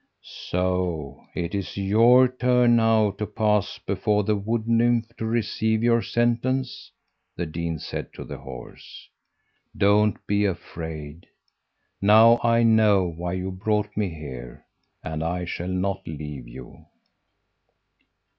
"'So it is your turn now to pass before the Wood nymph to receive your sentence,' the dean said to the horse. 'Don't be afraid! Now I know why you brought me here, and I shall not leave you.'